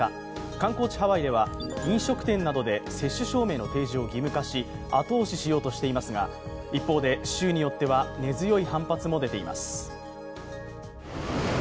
観光地・ハワイでは、飲食店などで接種証明の提示を義務化し後押ししようとしていますが、一方で州によっては根強い反発も出ています。